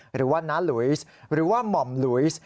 หรือว่าน้าหลุยหรือว่าหม่อมหลุยส